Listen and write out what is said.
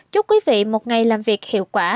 chúc quý vị một ngày làm việc hiệu quả